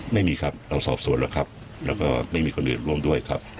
ไม่มีครับเราสอบสวนแล้วครับแล้วก็ไม่มีคนอื่นร่วมด้วยครับ